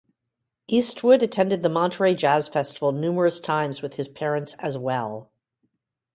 Eastwood attended the Monterey Jazz Festival numerous times with his parents, as well.